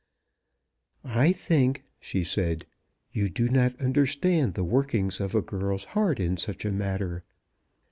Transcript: "I think," she said, "you do not understand the workings of a girl's heart in such a matter.